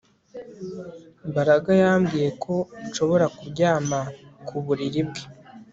Mbaraga yambwiye ko nshobora kuryama ku buriri bwe